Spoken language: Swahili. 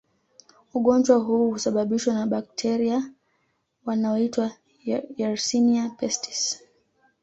Ugonjwa huu husababishwa na bakteria wanaoitwa Yersinia pestis